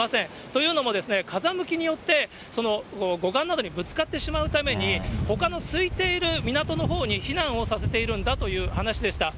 というのも、風向きによって護岸の中でぶつかってしまうために、ほかのすいている港のほうに避難をさせているんだという話でした。